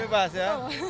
udah bebas ya